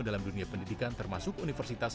dalam dunia pendidikan termasuk universitas